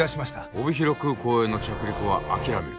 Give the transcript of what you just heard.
帯広空港への着陸は諦める。